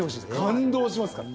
感動しますから。